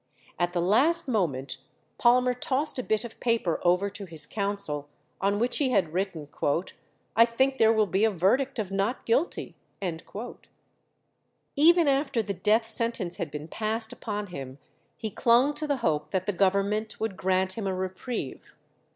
At the last moment Palmer tossed a bit of paper over to his counsel, on which he had written, "I think there will be a verdict of Not Guilty." Even after the death sentence had been passed upon him he clung to the hope that the Government would grant him a reprieve.